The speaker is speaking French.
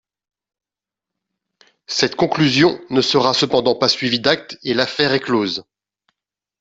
Cette conclusion ne sera cependant pas suivie d'actes et l'affaire est close.